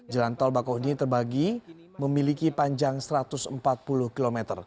jalan tol bakahuni terbagi memiliki panjang satu ratus empat puluh km